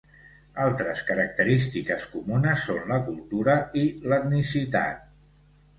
Altres característiques comunes són la cultura i l'etnicitat.